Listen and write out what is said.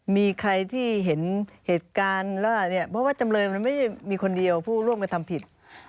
มีใครที่เห็นเหตุการณ์ล่าเนี่ยเพราะว่าจำเลยมันไม่ได้มีคนเดียวผู้ร่วมกระทำผิด